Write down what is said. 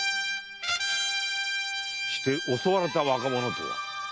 して襲われた若者とは？